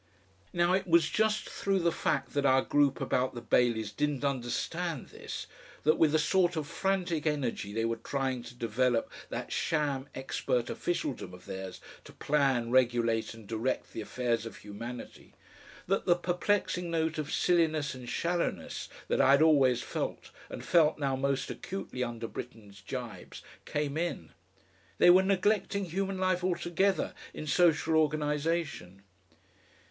Now it was just through the fact that our group about the Baileys didn't understand this, that with a sort of frantic energy they were trying to develop that sham expert officialdom of theirs to plan, regulate, and direct the affairs of humanity, that the perplexing note of silliness and shallowness that I had always felt and felt now most acutely under Britten's gibes, came in. They were neglecting human life altogether in social organisation.